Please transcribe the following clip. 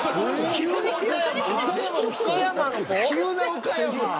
急な岡山。